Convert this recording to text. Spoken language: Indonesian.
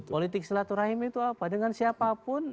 politik silaturahim itu apa dengan siapapun